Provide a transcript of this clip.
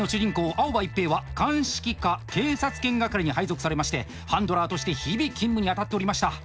青葉一平は鑑識課警察犬係に配属されましてハンドラーとして日々勤務に当たっておりました。